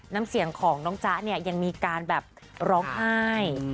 น้ำเสียงของน้องจ๊ะเนี่ยยังมีการแบบร้องไห้